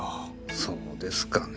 そうですかねえ。